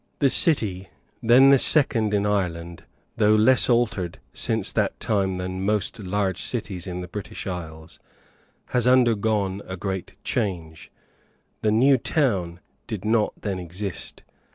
The city, then the second in Ireland, though less altered since that time than most large cities in the British isles, has undergone a great change. The new town did not then exist.